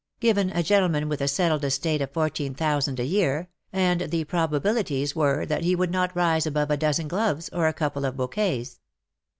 Given a gentleman with a settled estate of fourteen thousand a year,, and the probabilities were that he would not rise above a dozen gloves or a couple of bouquets.